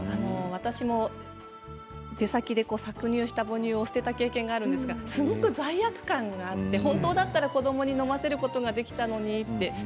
私も出先で搾乳した母乳を捨てた経験があるんですがすごく罪悪感があって本当だったら子どもに飲ませることができたのにって。